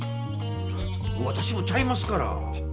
わたしもちゃいますから！